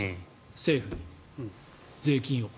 政府に税金を。